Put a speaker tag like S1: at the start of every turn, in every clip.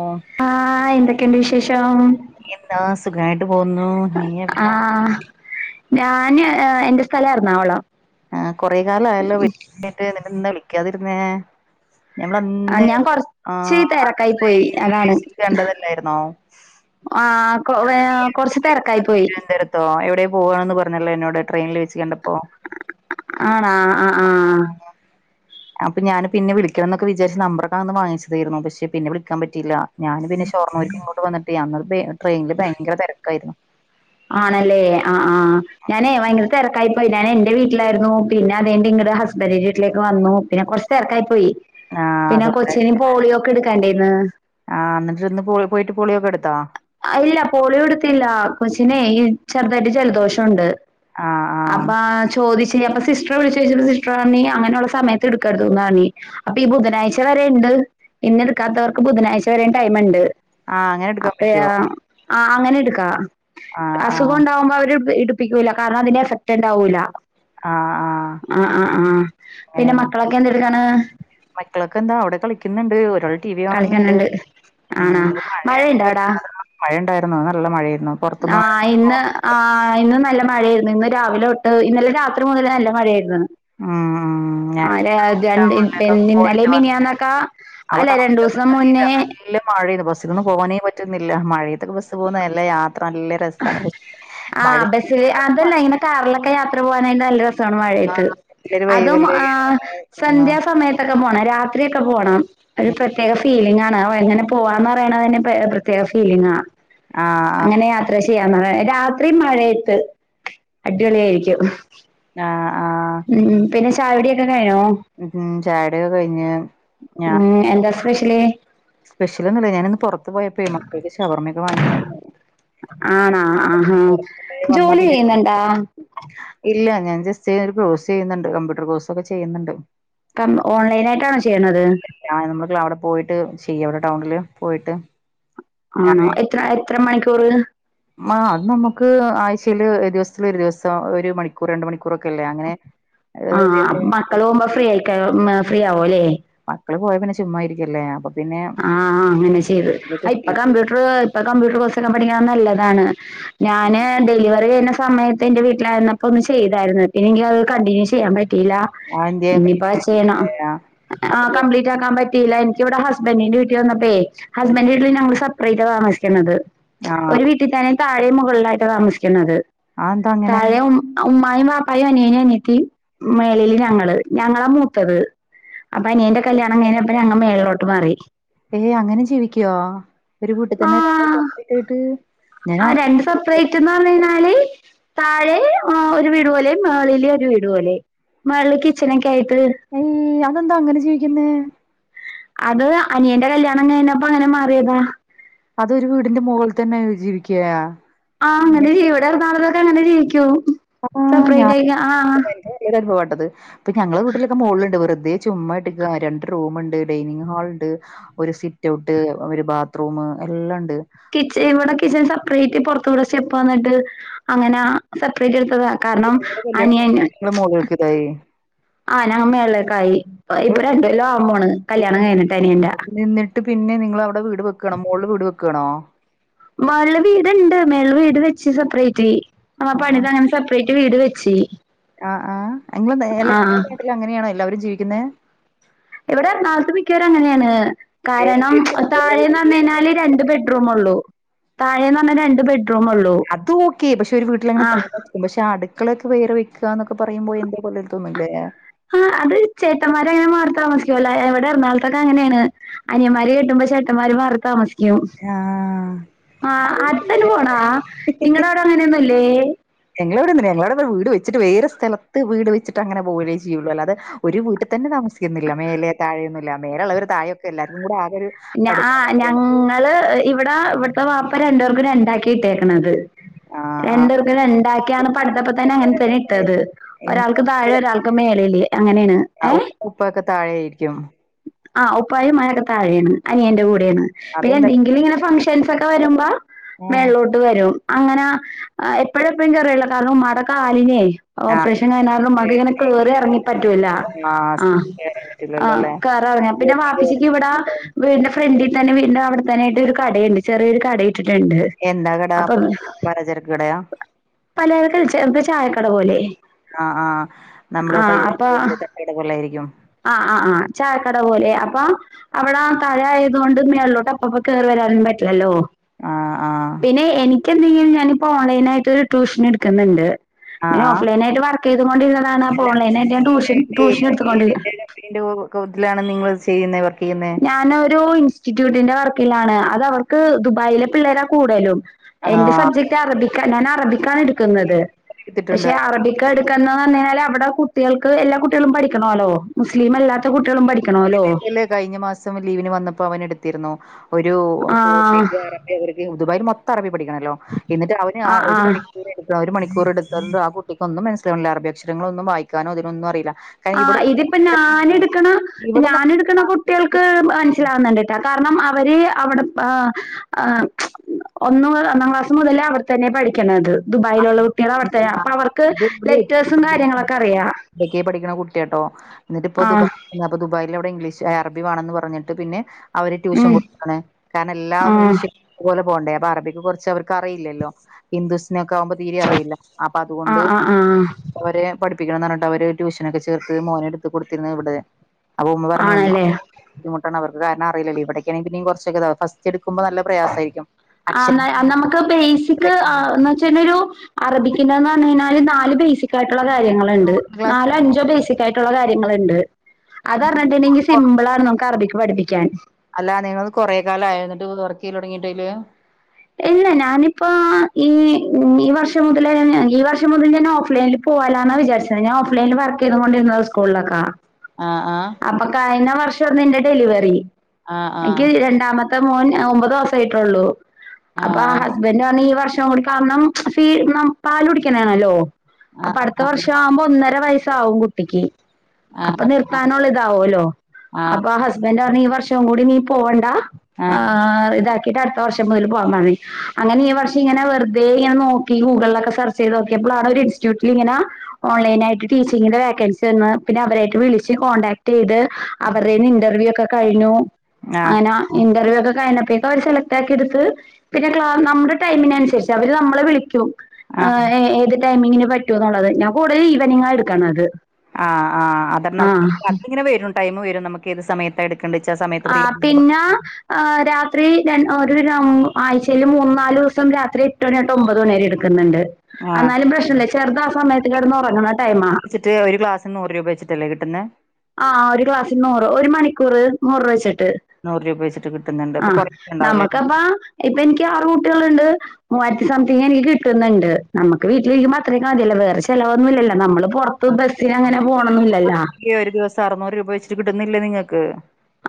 S1: O
S2: ആഹ എന്തൊക്കെയുണ്ട് വിശേഷം?
S1: എന്താ സുഖമായിട്ട് പോകുന്നു നീ
S2: ആഹ ഞാന് എന്റെ സ്ഥല ഇറന്നാവളോ
S1: ആ കൊറെേ കാല ആയല്ലോ വട്ട് നിന്ന നിന്നാ വിളിക്കാതിരുന്നേ?
S2: ആ
S1: ഞമ്മൾന്ന്
S2: ഞാൻ
S1: ആ
S2: കൊറച്ച്
S1: അ
S2: തെരക്കായി പോയി
S1: ട്രെയിനിൽ
S2: അതാണ്.
S1: വച്ചിട്ട് കണ്ടതല്ലായിരുന്നോ
S2: ആ കൊ കൊറച്ചു തിരക്കായി പോയി
S1: ഇപ്പോ എവിടെയ പോകവാണന്ന് പറഞ്ഞല്ലോ എന്നോട്ട്രെയിനിൽ വെച്ച് കണ്ടപ്പോ
S2: ആണാ ആ ആ
S1: അപ്പൊ ഞാന് പിന്നെ വിളിക്കണംമൊക്കെ വിചാരിച്ച നമ്പൊക്കെ അന്ന് വാങ്ങിച്ചതായിരുന്നു പക്ഷെ പിന്നെ വിളിക്കാൻ പറ്റയില്ല ഞാൻ പിന്നെ ഷൊർണുർന്ന് ഇങ്ങോട്ട് വന്നട്ട് അന്ന്ത് ട്രെയിനില് ഭയര തിരക്കായിരുന്നു
S2: ആണല്ലേ ആ ആ ഞാനേ ഭയങ്കര തിരക്കായിപ്പോയി ഞാൻ എന്റെ വീട്ടിലായിരുന്നു പിന്നെ അതെറെ ഇങ്ങളടെ ഹസ്ബൻഡന്റെ വീട്ടിലേക്ക് വന്നു പിന്നെ കുറച്ച് തെർക്കായി പോയി
S1: ആഹ്
S2: പിന്നെ
S1: അതുകൊണ്ടാ
S2: കൊച്ചിന പോളിയോ ഒക്കെ എടുക്കാണ്ടായിന്ന്
S1: ആഹ് എന്നിട്ട്ന്ന് പോളി പോയിട്ട് പോളിയ ഒക്കെ എടുത്തോ?
S2: ഇല്ല പോളിയോ എടുത്തില്ല കൊച്ചിനെ ഈ ചെറുതായിട്ട് ജലദോഷം ഉണ്ട്
S1: ആഹ് ആഹ്
S2: അപ്പ ചോദിച്ച സിസ് ഇ വിളിച്ചുോച്ചപ്പോ സിസ്റ്റർാണ അങ്ങനെയുള്ള സമയത്ത് എടുക്കരു തോന്നതാണി അപ്പൊ ഈ ബുധനാഴ്ച വരെ ഉണ്ട് ഇന്നെടുക്കാത്തവർക്ക് ബുധനാഴ്ച വര ടൈംണ്ട്
S1: ആ അങ്ങന എടു
S2: ആ അങ്ങനെ എടുക്കാ
S1: ആഹ്
S2: അസുഖം
S1: ആഹ്.
S2: ഉണ്ടാവുമ്പോ അവര് എടു പിപ്പിക്കൂല്ല കാരണം അതിന്റെ എഫക്റ്റ് ഉണ്ടാവൂല്ല
S1: ആഹ് ആഹ്.
S2: ആഹ ആ ആഹ് പിന്നെ മക്കളൊക്കെ എന്തെടുക്കാണ്?
S1: മക്കളൊക്കെ എന്താ അവിടെ കളിക്കുന്നുണ്ട് ഒരാൾ ടി വി ആണെന്നുണ്ട്
S2: കളിക്കാനുണ്ട് ആണാ
S1: ഇപ്പോ മഴയ
S2: മഴയുണ്ടോ അവിടാ
S1: വത മഴയ ഉണ്ടായിുന്ന നല്ല മഴയായിരുന്നു പൊറത്തൊന്നും അങ്ങനെ
S2: ആഹ് ഇന്ന്
S1: പോവാൻ
S2: ആ ഇന്ന് നല്ല മഴയായിരുന്നു ഇന്ന് രാവിലെട്ട് ഇന്നലെ രാത്രി മുതൽ നല്ല മഴയായിരുന്നു
S1: ആഹ് ആഹ് ഉ ഞൻ
S2: ആരാ രണ്ട്
S1: ടൗണിലേക്ക ഒ
S2: ഇന്നലെ
S1: പോയിട്ട് വന്ന
S2: മിനിയാന്നൊക്കെ
S1: അപ്പ
S2: അല്ല
S1: ടൗണിലൊക്ക
S2: രണ്ടൂസം
S1: ഒന്ന അറല്ലോ
S2: മുന്നേ
S1: നല്ല നല്ല മഴെയ ബസ്സൽന്നും പോനേ പറ്റുന്നില്ല മഴയത്തൊക്കെ ബസ്സ് പോകുന്ന നല്ല യാത്ര നല്ല
S2: ആ ബസ്സില് അതല്ല ഇങ്ങനെ
S1: [unintelligible]
S2: കാറിലൊക്കെ യാത്ര പോന നല്ലസമാണ് മഴ
S1: ആഹ്. നല്ലൊരു
S2: അത
S1: വൈബല്ലേ. ആഹ്.
S2: സ്യസമയ രാത്രിയൊക്കെ പോണം അതിപ്രേതെക ഫിലിംഗ ആ എങ്ങനെ പോവാന്ന് പറയണ അന്റെ പ്രത്യേക ഫീലിംഗാ
S1: ആഹ്
S2: അങ്ങനെ യാത്ര ചെയ്യാന്ന് രാത്രി മഴയത്ത് അടിപൊളിയ ആയിരിക്കും
S1: ആഹ് ആഹ്
S2: ഉം പിന്നെ ചായോടി കഴിഞ്ഞോ?
S1: ഉ ചായോടി കഴിഞ്ഞ് ഞാൻ
S2: ഉം എന്താ സ്പെഷ്യല്
S1: സ്പെഷ്യലൊന്നുല്ല ഞാന് ഇന്ന് പുറത്ത് പോയപ്പോ മക്കക്ക് ശവർമൊക്കെ വാങ്ങിച്
S2: ആണാ ആഹാ
S1: പോയി വന്നാ
S2: ജോലി
S1: പിന്നെ
S2: ചെയ്യുന്നുണ്ടാ?
S1: ഇല്ല ഞാൻ ജസ്റ്റ് ഒരു കോഴ്സ് ചെയ്യുന്നുണ്ട് കമ്പ്യൂട്ടർ കോഴ്സ് ഒക്കെ ചെയ്യുന്നുണ്ട്
S2: കം ഓൺലൈനായിട്ടാണ് ചെയ്യണത്
S1: ഞായ നമ്മള് അവിടെ പോയിട്ട് ചെയ്യ അവിടെ ടൗണില് പോയിട്ട്
S2: ആണോ എത്ര എത്ര മണിക്കൂറ്
S1: മാ അത് നമുക്ക് ആഴ്ചയില് ദിവസത്തില ഒരു ദിവസം ഒരു മണിക്കൂർ രണ്ട് മണിക്കൂർ ഒക്കെല്ലേ അങ്ങനെ
S2: ആഹ് അപ് മക്കൾ പോഉമ്പോ ഫ്രീ ആയി ഫ്രീ ആവോല്ലേ
S1: മക്കള് പോയ പിന്നെ ചുമ്മാരിക്കല്ലേ അപ്പൊ പിന്നെ
S2: ആഹ് ആഹ് അങ്ങനെ ചെയ്ത്
S1: ഇതൊക്കെ
S2: അഹ് ഇപ്പൊ
S1: ചെയ്തു.
S2: കമ്പ്യൂട്ടർ ഇപ്പൊ കമ്പ്യൂട്ടർ കോഴ്സൊക്കെ പഠിക്കണം നല്ലതാണ് ഞാന് ഡെലിവറി കഴിഞ്ഞ സ സമയത്ത് എന്റെ വീട്ടിലായിരുന്നപ്പോ ഒന്ന് ചെയ്തായിരുന്നു പിന്നെങ്കിൽ അത് കണ്ടിന്യൂ ചെയ്യാൻ പറ്റിയില്ല
S1: ആ എന്ത്യേ
S2: ഇനിയിപ്പോ ചെയ്യണം ആഹ് കംപ്ലീറ്റ് ആക്കാൻ പറ്റില്ല എനിക്കിവിടെ ഹസ് ബന്റിന്റെ വീട്ടി വന്നപ്പോ ഹസ്ബന്റിന്റെ വീട്ടിൽ ഞൾ സെപ്പറേറ്റ് താമസിക്കുന്നത്
S1: ആ
S2: ഒരു വി ട്ടി തന്നെ താഴെ മുകളിലായിട്ട് താമസിക്കുന്നത്
S1: അതെന്താ അങ്ങനെ
S2: താഴെയെ ഉമ്മായും പാപ്പായും അനിയനയും അനത്തി മേളൽ ഞങ്ങള് ഞങ്ങളാ മൂത്തത് അപ്പൊ അനീന്റെ കല്യാണംങ്ങനെപ്പ അങ്ങ മേളിലോട്ട് മാറി
S1: ഏയ് അങ്ങനെ ജീവിക്കുവോ ഒരു കൂട്ടി തന്നെ രണ്ടയിട്ട് [unintelligible]
S2: ആഹ് രണ്ട് സെപ്പറേറ്റ് എന്ന് പർഞ്ഴിഞ്ഞാല് താഴെ ഒരു വീട് പോലെ മേളിലെ ഒരു വീട് പോലെ മേളിൽ കിച്ചനൊക്കെ ആയിട്ട്
S1: ഏയ് അതെന്താ അങ്ങനെ ജിവ്ക്കുന്നെ
S2: അത് അനിയന്റെ കല്യാണംങ്ങഴഞ്ഞപ്പ അങ്ങനെ മാറിയതാ
S1: അതൊരു വീടിന്റെ മുകളിൽ തന്നെ ജീവിക്കയാ
S2: ആഹ് അങ്ങനെ ജീ ഇവിടെറന്നാതൊക്കെ അങ്ങനെ ജീവിക്കൂ
S1: ആഹ്
S2: സെപ്പറേറ്റ്
S1: ഞൻ
S2: ആയി ആ
S1: [unintelligible] അനുഭവപ്പെട്ടത് ഇപ്പൊ ഞങ്ങളെ വീട്ടിലൊക്കെ മോള്ണ്ട് വെറുതെ ചുമ്മായിട്ടികാ രണ്ട് റൂമുണ്ട് ഡൈനിങ്ങ് ഹാൾ ഉണ്ട് ഒരു സിറ്റ്ഔട്ട് ഒരു ബാത്റൂം എല്ലാം ഉണ്ട്
S2: കിച് ഇവടെ കിച്ചൺ സെപ്പറേറ്റ് പുറത്തൂടെ സ്റ്റെപ്പ് വന്നിട്ട് അങ്ങനൊ സെപ്പറേറ്റ് എടുത്തത കാരണം
S1: നിങ്ങടെ കല്യാണം
S2: അനിയന്
S1: കഴിഞ്ഞിട്ട് നിങ്ങള് മോളിലേക്ക് ഇതായി
S2: ആഹ് ഞങ്ങമ്മേളേക്കായി
S1: നിങ്ങള്
S2: ഇപ്പൊ രണ്ടുവല്ലോ ആവമ്മോണ് കല്യാണം കഴിഞ്ഞിട്ട അനിയന്റെ
S1: ട്ട് പിന്നെ നിങ്ങൾ അവിടെ വീട് വെക്കണൊ മോൾള് വീട് വെക്കണോ?
S2: മേള് വീട്ണ്ട് മേള വീട് വെച്ച് സെപ്പറേറ്റ്
S1: ആ
S2: പണിതങ്ങെ സെപ്പറേറ്റ് വീട് വെച്ചി
S1: ആഹ് ആഹ് എങ്ങള് മേലെ [unintelligible] നാട്ടില അങ്ങനെയാണ് എല്ലാവരും ജീവിക്കുന്നേ
S2: ഇവിടെ എറണാകത്ത് മിക്കവര് അങ്ങനെയാണ്
S1: വേറെ
S2: കാരണം
S1: വീട് വേറെ
S2: തായെന്ന്
S1: വീട്ടിലേക്ക്
S2: ന്നേനാല് രണ്ട് ബെഡ്റൂം ഉള്ളൂ താഴേന്ന് പറഞ്ഞാൽ രണ്ട് ബെഡ്റൂം ഉള്ളൂ
S1: അതു ഓക്കെ പക്ഷെ ഒരു വീട്ടിൽ അങ്ങനെ
S2: ആ
S1: ത കു മക്ഷ അടുക്കളൊക്കെ വേറെ വെക്കുകന്നൊക്കെ പറയ്മ്പോ എന്തോ പോലെ തോന്നൂല്ലേ
S2: ആഹ് അത് ചേട്ടന്മാര അങ്ങനെ മാറി താമസിക്കുല്ല എവിടെ എറണാകളത്തൊക്കെ അങ്ങനെയാണ് അനിയന്മാര് കേട്ടുമ്പോ ചേട്ടന്മാ മാറി താമസി ക്യും
S1: ആഹ്
S2: ആഹ് അടുത്തന്നെ പോണോ നിങ്ങളടെ അവിടെ അങ്ങനെയൊന്നുംല്ലേ
S1: ഞങ്ങളവിടെന്നനെ ഞങ്ങളടപൊ വീട് വച്ചിട്ട് വേറെ സ്ഥലത്ത് വീട് വെച്ചട്ട് അങ്ങനെ പോഅലേ ചെയ്യുള്ളൂ അല്ലാതെ ഒരു വീട്ടിൽ തന്നെ താമസിക്കുന്നില്ല മേലെ താഴെയന്നില്ല മേലെയുള്ളവ ഒരു താഴെയൊക്കെ എല്ലാവർക്കും കൂടെ ആകൊരു
S2: ഞാ ഞങ്ങള് ഇവിടെ ഇവിടുത്തെ വാപ്പ രണ്ടപേർക്കും രണ്ടാക്കി ഇട്ടേക്കണത്
S1: ആഹ് ആഹ്
S2: രണ്ടർക്കും രണ്ടാക്കിയാണ് പഠത്തപ്പത്തന്നെ അങ്ങനെത്തന്നെ ഇട്ടത് ഒരാൾക്ക് താഴെ ഒരാൾക്ക് മേളയില്ലേ അങ്ങനെയാണ് ഏഹ്
S1: ഉമ്മ ഉപ്പയൊക്കെ താഴെയായിരിക്കും
S2: ആഹ് ഉപ്പായും മാഴൊക്കെ താഴെയാണ് അനിയന്റെ കൂടേണ് പിന്നെ
S1: അതെന്താ
S2: എന്തെങ്കിലും ങ്ങനെ ഫങ് ഫ്രൻസൊക്കെ വരുമ്പോ
S1: ആഹ്
S2: മേളിലോട്ട് വരും അങ്ങനെ എപ്പഴ് എപ്പഴും കേറല് ല്ല കാരണം ഉമ്മാടെ കാലിനെ
S1: ആ
S2: ഓപ്പറേഷൻ കഴിഞ്ഞാരണം ഉമ്മാക്ക്ങ്ങനെ കേറി എറങ്ങി പറ്റൂല്ല
S1: ആ
S2: ആഹ്
S1: കേറാൻ
S2: ആഹ്
S1: പറ്റൂലല്ലോല്ലേ
S2: കറാഞ്ഞ പിന്നെ വാപ്പിച്ചിക്ക് ഇവിട വീടിന്റെ ഫ്രണ്ടിൽ തന്നെ വീടിന്റെ അവിടെത്തന്നേയിട്ട് ഒരു കടയുണ്ട് ചെറിയൊരു കട ഇട്ടിട്ടുണ്ട്
S1: എന്താ കട
S2: അപ്പൊ
S1: പലചരക്ക് കടയാ
S2: പലഎരക്കല്ല ച്ച് ഇത് ചായക്കട പോലെ
S1: ആഹ് ആഹ് നമ്മള്
S2: ആ
S1: പയ്യ്
S2: അപ്പൊ
S1: ഇതിന്റെ തട്ട്കട പോലെ ആയിരിക്കും
S2: ആഹ് ആഹ് ആഹ് ചായക്കട പോലെ അപ്പാ അവടെ ആൾക്കാരായതുകൊണ്ട് മേൾലോട്ട് അപ്പപ്പോ കേറി വരാനും പറ്റില്ലല്ലോ
S1: ആ ആ
S2: പിന്നെ എനിക്ക് എന്തെങ്കിലും ഞാനിപ്പോ ഓൺലൈൻായിട്ട് ഒരു ട്യൂഷൻ എടുക്കുന്നുണ്ട്
S1: ആ
S2: പിന്നെഞാ
S1: ആ
S2: ഓഫ് ലൈനായിട്ട് വർക്കെയ്ത് കോണ്ടിരുന്നതാണ് അപ്പോ
S1: അല്ല
S2: ഓൺലൈനായിട്ട് ഞാൻ ടൂഷൻ ടൂഷന്‌ട്ത്ത്കോണ്ട് ഇര്
S1: എയ്ന്റെ [unintelligible] നിങ്ങൾ ചെയ്യുന്നേ വർക്ക് ചെയ്യുന്നെ
S2: ഞാനൊരു ഇൻസ്റ്റിറ്റ്യൂട്ടിന്റെ വർക്കിലാണ് അത് അവർക്ക് ദുബായിലെ പിള്ളേരാ കൂടലും
S1: ആ
S2: എന്റെ സബ്ജക്ട് അറബിക്ക ഞാൻ അറബിക്കാണ് എടുക്കുന്നത് പക്ഷെ അറബി എട്ക്കാ
S1: എടുത്തിട്ടുണ്ട്
S2: ട്ക്കാന്ന്പറ കയ്ഞ്ഞാൽ അവിടെ കുട്ടികൾക്ക് എല്ലാ കുട്ടികളും പഠിക്ക്ണാേല്ലോ മുസ്ലിമ് അല്ലാത്ത കുട്ടികളും പഠിക്ക്ണാേല്ലോ
S1: ല് കഴിഞ്ഞ മാസം ലീവിന് വന്നപ്പോ അവന്എടുത്തിരുന്നു ഒരു
S2: ആഹ്
S1: കുട്ടിക്ക് ഒര ര് ഒര്ക്ക് ദുബായീല് മൊത്തം അറബി പഠിക്കണല്ലോ എന്നിട്ട് അവന് ആ
S2: ആഹ്
S1: ഒരു
S2: ആഹ്.
S1: മണിക്കൂറ് എട്ത്ത് ഒരു മണിക്കൂറ് എടുത്തണ്ട് ആ കുട്ട് ട്ടിക്ക് ന്നും മനസ്സിലാവ്ണില്ല അറബിഅക്ഷരങ്ങളൊന്നും വായിക്കാനോ ഇതിനൊന്നും അറീല്ല
S2: ആഹ് ഇതിപ്പ ഞാന് ഇട്ക്കണ
S1: വ്ടെന്നാ
S2: ന്എട്ക്ക്ണ കുട്ട്യൾക്ക് മനസിലാവുന്നുണ്ട്ട്ടാ കാരണം അവര് അവടെത്താ ആ് ഒന്നാേ ഒന്നാം ക്ലാസ് മുതലേ അവർ തന്നെ പഠിക്കണത് ദുബായിലുള്ള കുട്ടികളാ അവിട്ത്തെ അപ്പൊ അവർക്ക് ലെറ്റേഴ്സും കാര്യങ്ങളൊക്കെ അറിയാ
S1: എക്കെ പഠിക്ക്ണ കുട്ട്യാട്ടോ ന്നിട്ട്പ്പൊ ദുബാ
S2: ആഹ്
S1: അപ്പൊ ദുബായിലവിടെ ഇംഗ്ലീഷ് ഏ അറബി വാണംന്ന് പറഞ്ഞിട്ട് പിന്നെ അവര്
S2: ഉം
S1: ട്യൂഷൻ കൊടുക്കാണ് കാരണം എല്ലാ
S2: ആഹ്
S1: വിഷയ പോലെ പോണ്ടേ അപ്പ അറബിക്ക് കാെറച്ച് അവർക്ക് അറിയില്ലല്ലോ ഹിന്ദൂസ് ക്കാവുമ്പോ തീരെ അറിയില്ല അപ്പൊ അതുകൊണ്ട്
S2: ആഹ് ആഹ് ആഹ്
S1: അവരെ പഠിപ്പിക്കണം എന്ന്റഞ്ഞി. ട്ട് അവര് ട്യൂഷനൊക്കെ ചേർത്ത് മോനെ എടുത്ത് കൊടുത്തിരുന്നു ഇവടെ അപ്പ ഉമ്മ പറഞ്ഞു ഉമ്മ
S2: ആണല്ലേ.
S1: ബുദ്ധിമുട്ടാണ് അവർക്ക് കാരണം അറിയില്ലല്ലോ ഇവടക്കെണെ പിന്നിം കാെറച്ചൊക്കെ ഇതാവും ഫസ്റ്റ് എട്ക്കുമ്പ
S2: ആഹ് ന്ന അന്നമ്മക്ക് ബേസിക് ഏ് ന്ന്വെച്ചനൊരു അറബിക്കിന്റെന്ന് പറഞ്ഞകഴിഞ്ഞാല് നാല് ബേസിക്യായിട്ടുള്ള കാര്യങ്ങള്ണ്ട്
S1: ക്ലാസ്
S2: നാലോ അഞ്ചോ ബേസിക് ക്കായിട്ടുള്ള കാര്യങ്ങള്ഇണ്ട് അത് അറിഞ്ഞ്ട്ട്ണ്ടെങ്കി സിമ്പിള്ആണ് നമ്മക്ക് അറബിക്ക് പഠിപ്പിക്കാൻ
S1: അല്ല നിങ്ങള് കൊറെ കാലം ആയോ എന്നിട്ട് വർക്കെയുലൊടങ്ങീട്ട് അയില്
S2: ഇല്ല ഞാനിപ്പ ഈ ഈ വർഷം മുതലേ ഈ വർഷം മുതൽക്ക് ഞാൻ ഓഫ് ലൈനില് പോവാലാന്നാ വിജാര്ച്ച ഞാൻ ഓഫ് ലൈനില് വർക്കെയ്ത്കോണ്ടിര്ന്നതാ സ്കൂൾലൊക്കാ
S1: ആഹ് ആഹ്
S2: അപ്പൊ കഴിഞ്ഞ വർഷാര്ന്ന് എന്റെ ഡെലിവറി
S1: ആഹ്
S2: എനിക്ക്
S1: ആഹ്
S2: രണ്ടാമത്ത് മത്തെ മോൻ ഒമ്പത് മാസായിട്ടാെള്ളൂ അപ്പൊ ഹ
S1: ആഹ്
S2: ഹസ്ബന്റ് പറഞ്ഞ് ഈ വർഷം കൂടി കാരണം ഫീ ന്നം പാൽ കുടിക്കണേണല്ലോ അപ്പൊ അട്ത്ത
S1: ആഹ്
S2: വർഷാവുമ്പോ ഒന്നര വയസാവും കുട്ടിക്ക് അപ്പൊ
S1: ആഹ് ആഹ്
S2: നിർത്താനുള്ള ഇതാവാേല്ലോ
S1: ആഹ്
S2: അപ്പൊ ഹസ്ബന്റ്- ന്റർ ഞ്ഞുഈ വർഷം കൂടി നീ പോവണ്ടാ ആഹ് ഇതാക്കിയിട്ട് അട്ത്ത വർഷം മുതല് പോയാ മതി അങ്ങനെ ഈ വർഷം ഇങ്ങനെ വെറ്തെ ഇങ്ങനെ നോക്കി ഗുഗൾലൊക്കെ സെർച്ചയ്താേക്കിയപ്പളാണ് ഒര് ഇൻസ് സ്റ്റൂട്ട്ങ്ങന ഓൺലൈനായിട്ട് ടീച്ചിങ്ങിന്റെ വേക്കൻസി വന്ന് പിന്നെ അവരായിട്ട് വിളിച്ച് കോൺടാക്റ്റെയ്ത് അവരെന്ന് ഇന്റർവ്യൂ ഒക്കെ കഴിഞ്ഞു
S1: ആഹ്
S2: അങ്ങനെ ഇന്റർവ്യൂ ഒക്കെ കഴിഞ്ഞപ്പേക്കഅവര് സെലക്റ്റ് ആക്കിഇട്ത്ത് പിന്നെ ക്ലാ നമ്മ്ടെ ടൈമിനനുസരിച്ചാ അവര് നമ്മളെ വിളിക്കും ഏ് ഏ ഏത് ടൈമിങ്ങിന് പറ്റോ എന്നുള്ളത് ഞാൻ കൂടുതൽ ഈവനിങ്ങ് എടുക്കണ അത്
S1: ആ ആ അതാര അങ്ങനെ വരും ടൈം വരും നമുക്ക് ഏ സമയത്താണ് എടുക്കേണ്ട വെച്ചാൽ സമയ
S2: ആ പിന്നെ ആ രാത്രി ര ആഴ്ചയിൽ മൂന്നാല് ദിവസം രാത്രി എട്ട് മണി തൊട്ട് ഒമ്പത് മണി വരെ ഇടും ന്നുണ്ട്
S1: ആഹ്
S2: എന്നാലും പ്രശ്നല്ലേ ചെറുതാ ആ സമയത്ത് കടന്ന് ഉറങ്ങുന്ന ടൈ ആ
S1: വെച്ചിട്ട് ഒരു ഗ്ലാസ് നൂറ് രൂപ വെച്ചിട്ടല്ലേ കിട്ട് ന്നേ
S2: ആ ഒരു ക്ലാസ്സിൽ നൂറ് ഒരു മണിക്കൂർ നൂറ് രൂപ വെച്ചിട്ട്
S1: നൂറ് രൂപ വെച്ചിട്ട് കിട്ടുന്നുണ്ട് അപ്പൊ
S2: ആഹ്
S1: കൊറേ ഉണ്ടാവൂലേ
S2: നമുക്കപ്പ ഇപ്പ എനിക്ക് ആറ് കുട്ടികൾണ്ട് മൂവായിരത്തി സംതിങ് എനിക്ക് കിട്ടുന്നുണ്ട് നമുക്ക് വീട്ടിൽ ഇരിക്കുമ്പോ അത്ര കാര്യല്ല വേറെ ചിലവന്നു ഇല്ലല്ലോ നമ്മള് പൊറത്ത് ബസ്സിന് അങ്ങനെ പോണൊന്നു ഇല്ലല്ലോ
S1: ഒരു ദിവ സ അറുനൂറ് രൂപ വെച്ചിട്ട് കിട്ടുന്നില്ലേ നിങ്ങൾക്ക്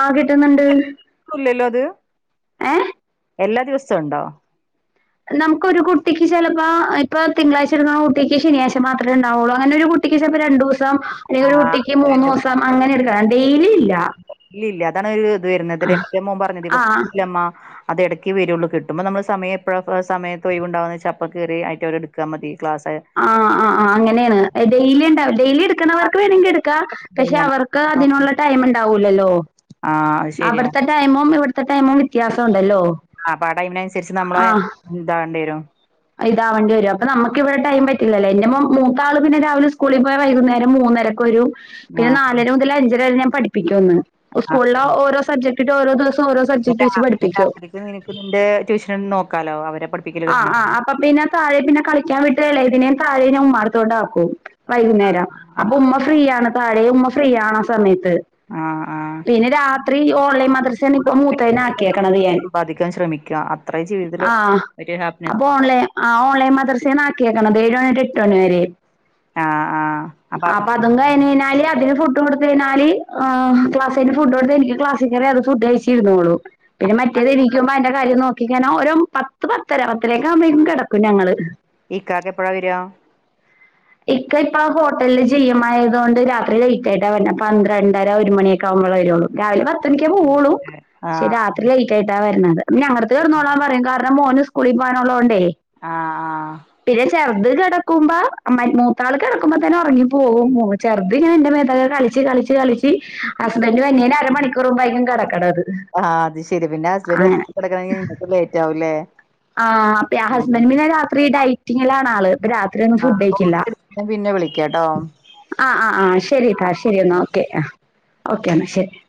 S2: ആഹ് കിട്ടുന്നുണ്ട്
S1: ല്ലോ അത്
S2: ഏഹ്
S1: എല്ലാ ദിവസവും ഉണ്ടോ
S2: നമുക്ക് ഒരു കുട്ടിക്ക് ചിലപ്പോ ഇപ്പൊ തിങ്കളാഴ്ച ഇരിക്കുന്ന കുട്ടിക്ക് ശനാഴ്ച മാത്രമേണ്ടാവുള്ളു അങ്ങനെ ഒരു കു കുട്ടിക്ക് ചപ്പോം രണ്ടു ദിവസം അല്ലെങ്കിൽ ഒരു
S1: ആഹ്
S2: കുട്ടിക്ക് മൂന്ന്
S1: അങ്ങനെയുണ്ട്
S2: ദിവസം അങ്ങനെ എടുക്കണം ഡെയിലി ഇല്ല
S1: ഇല്ല ഇല്ല അതാണ് ഒരു ഇത് വരുന്നത് ന്റെ മോൻ പറഞ്ഞ
S2: ആഹ്
S1: ദിവസംല്ലമ്മ അത് എടയ്‌ക്കേ വരുള്ളൂ കിട്ടുമ്പോൾ നമ്മൾ സമയം പ്പഴപ്പഴോ സമയത്ത് ഒഴിവുണ്ടാവുന്ന് വെച്ച അപ്പൊ കേറി അവരെടുത്താൽ മതി ക്ലാസ്
S2: ആ ആ ആ അങ്ങനെയാണ് ഡെയിലി ഉണ്ടാവോ ഡെയിലി ഇട്
S1: ആ,
S2: ണവർക്ക് വേണെങ്കി ഇടുക്കാ
S1: ഇത്
S2: പക്ഷെ
S1: തന്നെയാണ്
S2: അവർക്ക്
S1: ആ
S2: അതിനുള്ള ടൈം ഉണ്ടാവൂലല്ലോ
S1: ആഹ് അത് ശരിയാ
S2: അവിടുത്തെ ടൈമും ഇവിടുത്തെ ടൈമും വ്യത്യാസ ഉണ്ടല്ലോ
S1: അപ്പ ആ ടൈമിനനുസരിച്ച് നമ്മള് ഇന്താവേണ്ടി വരും
S2: ഇതാവണ്ടി വരും അപ്പ നമ്മക്കിവിടെ ടൈം പറ്റില്ലല്ലോ എന്റെ മൂത്ത ആൾ പിന്നെ രാവിലെ സ്കൂളി പോയ വൈകുന്നേരം മൂന്നര കൊരു പിന്നെ
S1: ആഹ്
S2: നാലര മുതൽ അഞ്ചര വരെ ഞാൻ പഠിപ്പിക്കുംന്ന്
S1: ആഹ്
S2: സ്കൂളിലെ ഓരോ സബ്ജക്ട് ഓരോ ദിവസം ഓരോ സബ്ജക്ട് വെച്ച് പഠിപ്പിക്കും
S1: ന്നെ നിനക്ക് നിന്റെ ട്യൂഷൻ നോക്കാ ലോ അവരെ പഠിപ്പ്
S2: ആ ആ അപ്പ പിന്നെ താഴെ പിന്നെ കളിക്കാൻ വിട്ട എളയതിനെ താഴേ ഉമ്മാട്ത്തൊണ്ടാക്കും വൈകുന്നേരം അപ്പൊ
S1: ആഹ്
S2: ഉമ്മ ഫ്രീയാണ് താഴെ ഉമ്മ ഫ്രീ ആണ് ആ സമയത്ത്
S1: ആഹ് ആഹ്
S2: പിന്നെ രാത്രി ഓൺലൈൻ മദ്രസാണ് ഇപ്പ മൂത്തേനെ ആക്കിയേക്കണത് ഞാൻ
S1: പ്പധികം ശ്രമിക്ക ആഹ് അത്രയേ ജീവിതത്തിൽ
S2: ആ
S1: ഒരു ഹാപ്പിനസ്
S2: അപ്പൊ ഓൺലൈൻ ആ ഓൺലൈൻ മദ്രസേണ് ആക്കിയേക്ക്ണത് ഏഴ് മണി ടു എട്ട് മണി വരെ
S1: ആഹ് ആഹ് അപ്പൊ
S2: അപ്പതന്നെ കഴിഞ്ഞഴിഞ്ഞാൽ അതിനു ഫുഡും കൊടുത്ത് കഴിഞ്ഞാൽ ക്ലാസ്സി ഫുഡ് കൊണ്ട് എനിക്ക് ക്ലാസ്സിൽ കയറി അത് ഫുഡ് കഴിച് ച്ചിരിന്നുകോളൂ പിന്നെ മറ്റേത്
S1: ഇക്ക-
S2: എണീക്കുമ്പോ അതിന്റെ കാര്യം നോക്കിക്കഴിന ഒരു ഒ പത്ത് ത്ത് പത്തര പത്തരൊക്കെ ആകുമ്പഴക്കും കിടക്കും ഞങ്ങള്
S1: ഇക്കാക്ക എപ്പഴാ വരിക
S2: ഇക്ക ഇപ്പൊ ഹോട്ടലില് ജി എം ആയതോണ്ട് രാത്രി ലേറ്റ് ആയിട്ടാ വര്ണെ പന്ത്രണ്ടര ഒരു മണിയൊക്കെ ആകുമ്പോഴെ വരുള്ളൂ രാവിലെ പത്തണിക്കെ പോവുള്ളു ക്ഷേ
S1: ആഹ്
S2: രാത് ത്രി ലേറ്റ് ആയിട്ടാ വരുന്നത് ഞങ്ങട്ത്ത് കെട്ന്നോളാൻ പറയും കാരണം മോന് സ്കൂളിൽ പോകാനുള്ളോണ്ടേ
S1: ആഹ് ആ
S2: പിന്നെ ചെറുത് കിടക്കുമ്പോ അമാരി മൂത്താൾ കിടക്കുമ്പോ തന്നെ ഉറങ്ങി പോകും ചെറുത് ഇങ്ങനെന്റെ മേതൊക്കെ കളിച്ച് കളിച് ളിച്ചു കളിച്ച് ഹസ്ബൻഡ് വരുന്നേന്റെ അരമണിക്കൂറ് മുമ്പായിക്കും കിടക്ക്ണത്
S1: ആഹ് അത് ശരി പിന്നെ ഹസ്ബൻഡ്
S2: അങ്ങനെ
S1: കിടക്കണെങ്കിൽ ലേറ്റ് ആകൂ ലേ
S2: ആഹ് പ്പൊ ആ ഹസ്ബൻറ് പിന്നെ രാത്രി ഡൈറ്റിങ്ങിലാണ് ആള് രാത്രി ഒന്നും ഫുഡ്
S1: ആഹ്
S2: കഴിക്കില്ല
S1: ഓക്കെ, ഞാൻ പിന്നെ വിളിക്കാട്ടോ
S2: ആ ആ ആ ശരിട്ടാ ശരി എന്നാൽ ഓക്കെ ആ ഓക്കെ എന്നാ ശരി